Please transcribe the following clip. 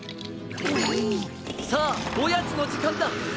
さあおやつのじかんだ！